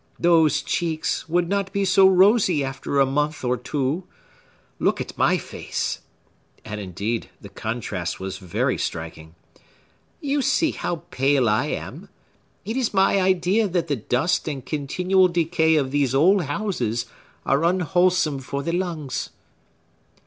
Those cheeks would not be so rosy after a month or two. Look at my face!" and, indeed, the contrast was very striking,—"you see how pale I am! It is my idea that the dust and continual decay of these old houses are unwholesome for the lungs."